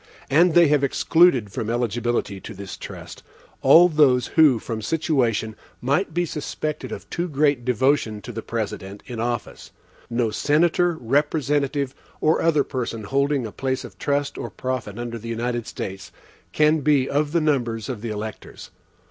And they have excluded from eligibility to this trust, all those who from situation might be suspected of too great devotion to the President in office. No senator, representative, or other person holding a place of trust or profit under the United States, can be of the numbers of the electors.